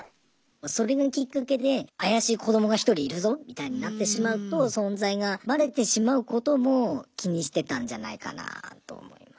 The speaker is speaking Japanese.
それがきっかけで怪しい子どもが１人いるぞみたいになってしまうと存在がバレてしまうことも気にしてたんじゃないかなと思います。